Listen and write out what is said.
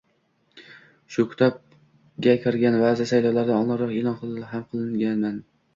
Shu kitobga kirgan baʼzi savollarni oldinroq eʼlon ham qilganman